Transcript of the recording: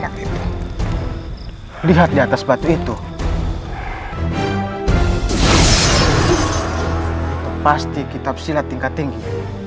aku tidak bisa menahanmu